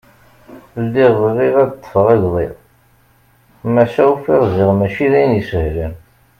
Lliɣ bɣiɣ ad ad d-ṭṭfeɣ agḍiḍ maca ufiɣ ziɣ mačči d ayen isehlen.